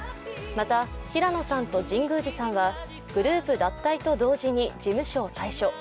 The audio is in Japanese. また平野さんと神宮寺さんはグループ脱退と同時に事務所を退所。